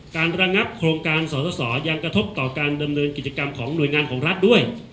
ระงับโครงการสอสอยังกระทบต่อการดำเนินกิจกรรมของหน่วยงานของรัฐด้วย